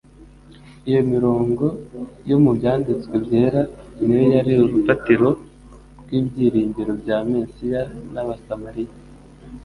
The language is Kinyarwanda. Iyo mirongo yo mu Byanditswe byera ni yo yari urufatiro rw'ibyiringiro bya Mesiya n’abasamaliya.